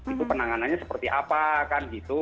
itu penanganannya seperti apa kan gitu